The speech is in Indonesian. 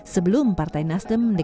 sebelum partai nasdem menanggung